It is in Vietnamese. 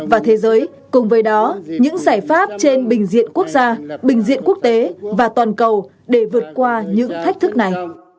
và thế giới cùng với đó những giải pháp trên bình diện quốc gia bình diện quốc tế và toàn cầu để vượt qua những thách thức này